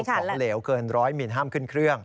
ของเหลวเกิน๑๐๐มิลลิเมตรห้ามขึ้นเครื่อง